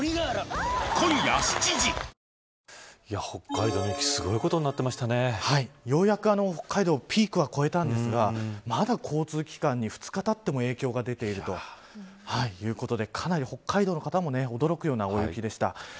北海道の雪すごいことになっていようやく北海道ピークは越えたんですがまだ交通機関に、２日たっても影響が出ているということで北海道の方も驚くような大雪でした。